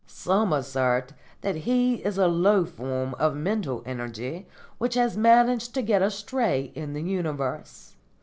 Some assert that he is a low form of mental energy which has managed to get astray in the universe.